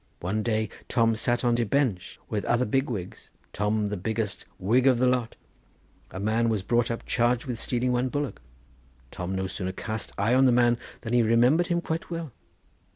One day as Tom sat on de bench with other big wigs, Tom the biggest wig of the lot, a man was brought up charged with stealing one bullock. Tom no sooner cast eye on the man than he remembered him quite well.